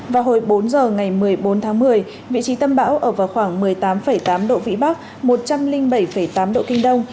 vào hồi bốn giờ ngày một mươi bốn tháng một mươi vị trí tâm bão ở vào khoảng một mươi tám tám độ vĩ bắc một trăm linh bảy tám độ kinh đông